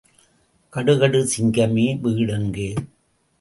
கடுகடு சிங்கமே, வீடெங்கே?